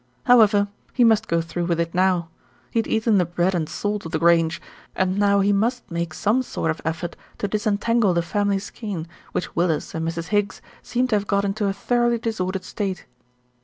However, he must go through with it now. He had eaten the bread and salt of The Grange, and now he must make some sort of effort to disentangle the family skein, which Willis and Mrs. Higgs seemed to have got into a thoroughly disordered state.